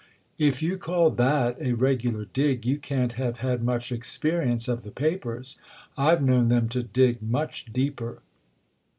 "If you call that a regular dig you can't have had much experience of the Papers. I've known them to dig much deeper."